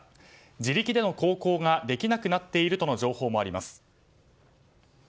自力での航行ができなくなっているとの情報もあります。